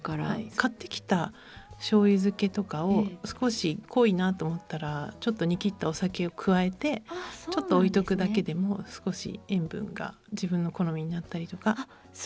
買ってきた醤油漬けとかを少し濃いなと思ったらちょっと煮切ったお酒を加えてちょっと置いとくだけでも少し塩分が自分の好みになったりとかするので。